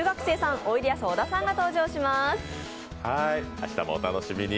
明日もお楽しみに。